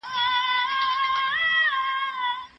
ده د نرمو لارو اغېز پېژانده.